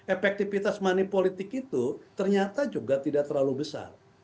efektivitas money politik itu ternyata juga tidak terlalu besar